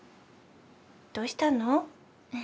どうしたの？